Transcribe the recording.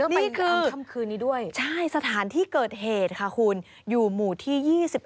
นี่คือใช่สถานที่เกิดเหตุค่ะคุณอยู่หมู่ที่๒๑